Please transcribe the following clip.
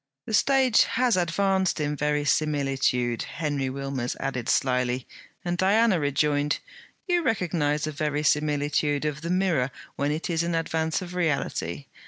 'The stage has advanced in verisimilitude,' Henry Wilmers added slyly; and Diana rejoined: 'You recognize a verisimilitude of the mirror when it is in advance of reality.